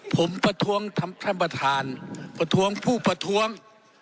ผมประท้วงท่านประธานประท้วงผู้ประท้วง